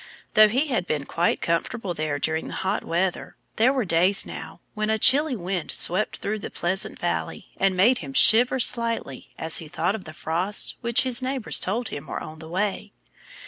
Though he had been quite comfortable there during the hot weather, there were days, now, when a chilly wind swept through Pleasant Valley and made him shiver slightly as he thought of the frosts which his neighbors told him were on the way.